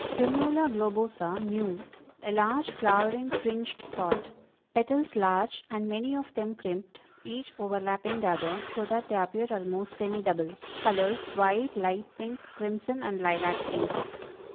Primula Globosa, new; a large flowering, fringed sort; petals large and many of them crimped, each overlapping the other, so that they appear almost semi double; colors white, light pink, crimson and lilac pink.